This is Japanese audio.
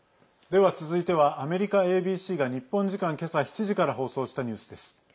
では続いてはアメリカＡＢＣが日本時間今朝、７時から放送したニュースです。